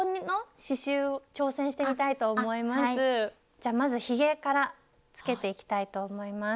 じゃまずひげからつけていきたいと思います。